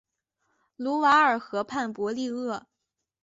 卢瓦尔河畔博利厄。